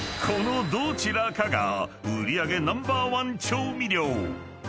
［このどちらかが売り上げナンバーワン調味料］